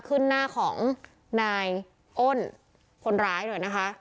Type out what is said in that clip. ขึ้นหน้าของนายอ้นคนร้ายด้วยนะคะ